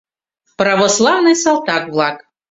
Православный салтак-влак!